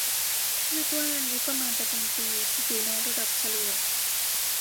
คาดว่างบประมาณประจำปีจะอยู่ในระดับเฉลี่ย